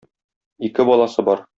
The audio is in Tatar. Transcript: Ике баласы бар.